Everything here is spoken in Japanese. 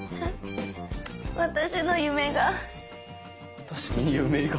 私の夢が。